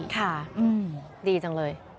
ค่ะดีจังเลย